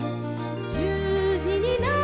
「じゅうじになると」